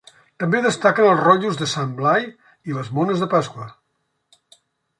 També destaquen els rotllos de Sant Blai i les mones de pasqua.